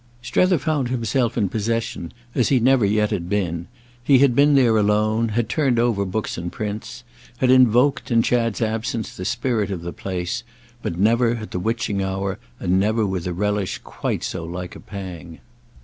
Strether found himself in possession as he never yet had been; he had been there alone, had turned over books and prints, had invoked, in Chad's absence, the spirit of the place, but never at the witching hour and never with a relish quite so like a pang.